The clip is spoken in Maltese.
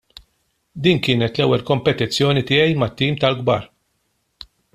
Din kienet l-ewwel kompetizzjoni tiegħi mat-tim tal-kbar.